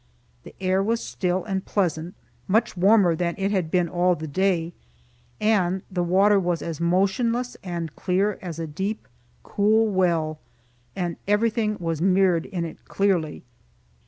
The air was still and pleasant, much warmer than it had been all the day; and the water was as motionless and clear as a deep, cool well, and everything was mirrored in it clearly.